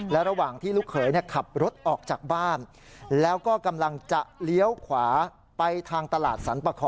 แล้วเขาขับรถมาเสียงบีบแต่ขอทางมาตลอด